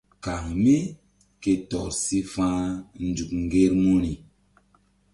Kaŋ mí ke tɔr si fa̧h nzuk ŋgermuri.